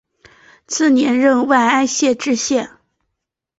次年任万安县知县。